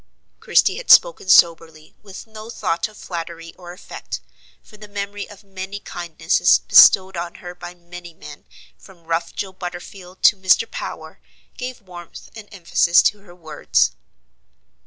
Christie had spoken soberly, with no thought of flattery or effect; for the memory of many kindnesses bestowed on her by many men, from rough Joe Butterfield to Mr. Power, gave warmth and emphasis to her words.